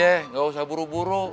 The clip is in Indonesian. eh gausah buru buru